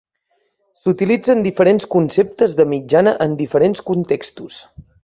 S'utilitzen diferents conceptes de mitjana en diferents contextos.